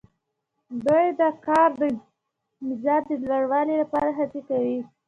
دوی د کار د مزد د لوړوالي لپاره هڅې کوي